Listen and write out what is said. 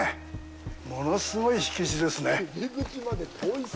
物すごい敷地ですね。